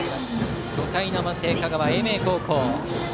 ５回の表、香川・英明高校。